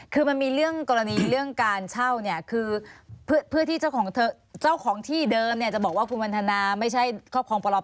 คือมันมีเรื่องกรณีเรื่องการเช่าเนี่ยคือเพื่อที่เจ้าของเจ้าของที่เดิมเนี่ยจะบอกว่าคุณวันทนาไม่ใช่ครอบครองปลอบ